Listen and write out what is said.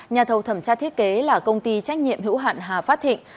nhà thầu thẩm tra thiết kế là công ty trách nhiệm hữu hạn hà phát thịnh